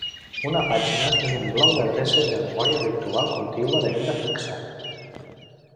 Una pàgina és un bloc d'adreces de memòria virtual contigua de mida fixa.